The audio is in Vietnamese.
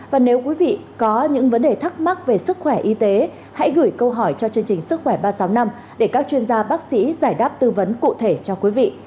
và nếu quý vị có những vấn đề thắc mắc về sức khỏe y tế hãy gửi câu hỏi cho chương trình sức khỏe ba trăm sáu mươi năm để các chuyên gia bác sĩ giải đáp tư vấn cụ thể cho quý vị